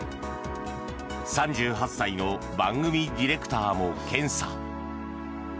３８歳の番組ディレクターも検査。